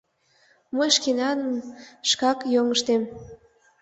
Мый шкенаным шкак йоҥыштем.